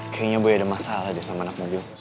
kayaknya boy ada masalah deh sama anak mobil